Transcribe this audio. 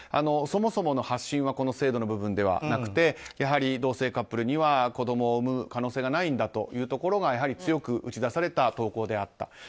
そもそもの発信はこの制度の部分ではなくて同性カップルには子供を産む可能性がないというところがやはり強く打ち出された投稿であった。